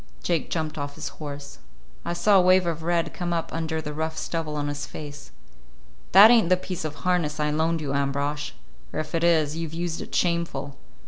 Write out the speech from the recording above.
Jake jumped off his horse. I saw a wave of red come up under the rough stubble on his face. "That ain't the piece of harness I loaned you, Ambrosch; or if it is, you've used it shameful.